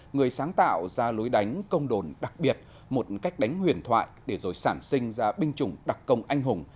người sáng tạo ra lối đánh công đồn đặc biệt một cách đánh huyền thoại để rồi sản sinh ra binh chủng đặc công anh hùng